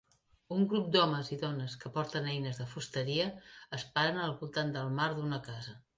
Un grup d'homes i dones que porten eines de fusteria es paren al voltant del marc d'una casa